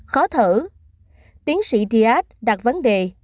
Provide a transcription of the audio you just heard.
khó thở tiến sĩ diat đặt vấn đề